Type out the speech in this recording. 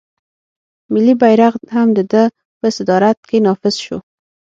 ملي بیرغ هم د ده په صدارت کې نافذ شو.